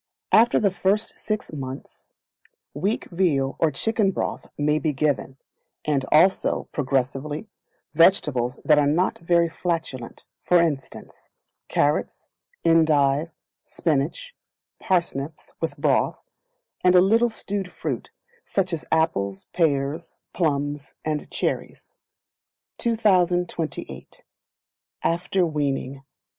After the first Six Months, weak veal or chicken broth may be given, and also, progressively, vegetables that are not very flatulent, for instance, carrots, endive, spinach, parsnips, with broth, and a little stewed fruit, such as apples, pears, plums, and cherries. 2028. After Weaning.